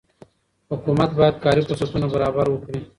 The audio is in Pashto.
حکومت باید کاري فرصتونه برابر وکړي.